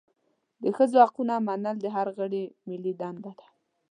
د ښځو حقونه منل د هر غړي ملي دنده ده.